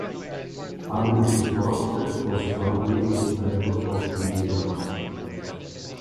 Public support was strongly in favor of Pinheiro.